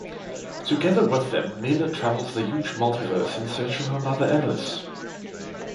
Together with them Mila travels the huge multiverse in search of her mother Elis.